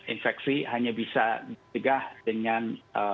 infeksi hanya bisa dicegah dengan